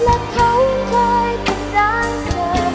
และเค้ายังเคยเป็นร้านเธอ